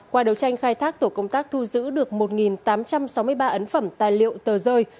qua đấu tranh khai thác tổ công tác thu giữ được một tám trăm sáu mươi ba ấn phẩm tài liệu tờ rơi